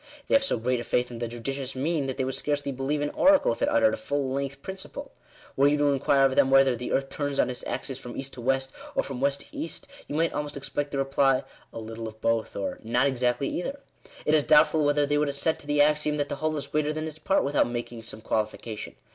They have so great a faith in "the judicious mean" that they would scarcely believe an oracle, if it uttered a fall length principle. Were you to inquire of them whether the earth turns on its axis from East to West, Digitized by VjOOQIC THE RIGHT TO THE USE OF THE EARTH. 121 or from West to East, you might almost expect the reply —" A little of both," or " Not exaotly either." It is doubtful whether they would assent to the axiom that the whole is greater than its part, without making some qualification.